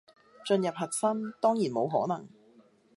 進入核心，當然冇可能